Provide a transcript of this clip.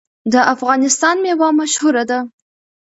د افغانستان میوه مشهوره ده.